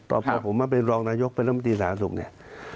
ตอนผมมาเป็นรองนายกรรมนามตรีสาธารณสุขเนี่ย